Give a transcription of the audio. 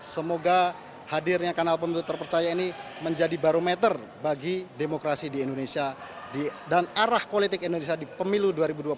semoga hadirnya kanal pemilu terpercaya ini menjadi barometer bagi demokrasi di indonesia dan arah politik indonesia di pemilu dua ribu dua puluh empat